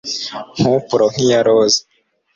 mpupuro nk'iya roza